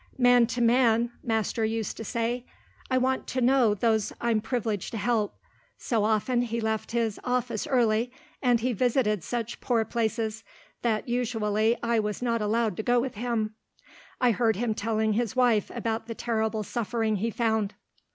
"Man to man," master used to say, "I want to know those I'm privileged to help," so often he left his office early, and he visited such poor places, that usually I was not allowed to go with him. I heard him telling his wife about the terrible suffering he found.